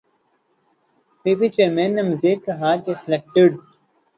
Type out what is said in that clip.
پی P chairman نے مزید کہا کہ سلیکٹڈ